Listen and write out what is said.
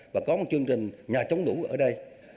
và có một chương trình nhà chống lũ ở đây